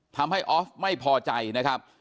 ทำให้ออฟไม่พอใจนะครับ